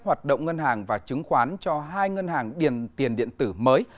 hoạt động ngân hàng và chứng khoán cho hai ngân hàng tiền điện tử mới